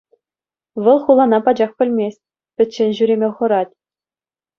Вӑл хулана пачах пӗлмест, пӗччен ҫӳреме хӑрать.